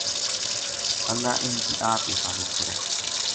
اللہ اِنھ کی آپ حفاظت کرے